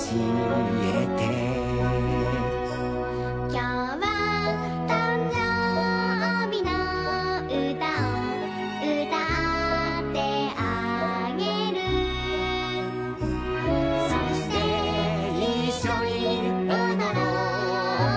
「きょうはたんじょうびのうたをうたってあげる」「そしていっしょにおどろうようでをくんで、、、」